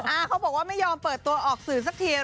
เขาบอกว่าไม่ยอมเปิดตัวออกสื่อสักที